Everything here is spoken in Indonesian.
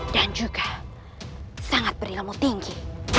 bercuma saja kau laki